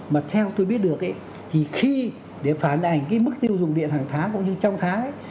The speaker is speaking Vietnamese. mà theo tôi biết được thì khi để phản ảnh cái mức tiêu dùng điện hàng tháng cũng như trong tháng